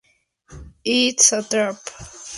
It's a Trap!